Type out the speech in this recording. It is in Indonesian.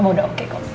mama udah oke kok